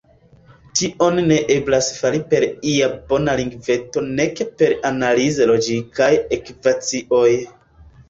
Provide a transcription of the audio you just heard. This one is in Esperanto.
Tion ne eblas fari per ia bona lingveto nek per analize logikaj ekvacioj.